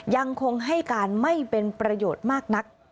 ยังคงให้การไม่เป็นประโยชน์มากนัก